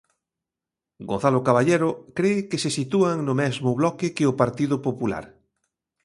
Gonzalo Caballero cre que se sitúan no mesmo bloque que o Partido Popular.